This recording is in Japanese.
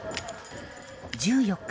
１４日